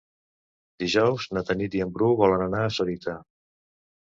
Dijous na Tanit i en Bru volen anar a Sorita.